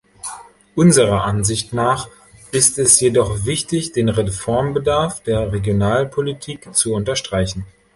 Unserer Ansicht nach ist es jedoch wichtig, den Reformbedarf der Regionalpolitik zu unterstreichen.